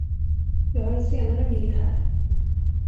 Jag har en senare bild här.